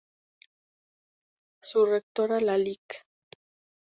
Su Rectora la Lic.